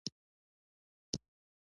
د انګور پاڼې د څه لپاره وکاروم؟